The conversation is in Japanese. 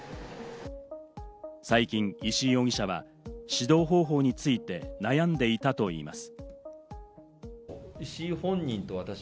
最近、石井容疑者は指導方法について悩んでいたといいます。